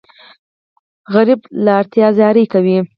سوالګر له اړتیا زاری کوي